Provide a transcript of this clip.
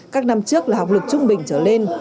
các năm trước là học lực trung bình trở lên